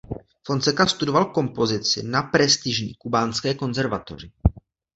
Fonseca studoval kompozici na prestižní kubánské konzervatoři.